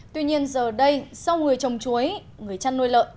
tuy nhiên giờ đây sau người trồng chuối người chăn nuôi lợn